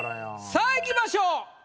さぁいきましょう。